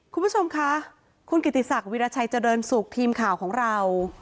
คุณผู้ชมคะคุณกิติศักดิราชัยเจริญสุขทีมข่าวของเรา